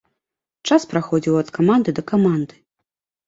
Час праходзіў ад каманды да каманды.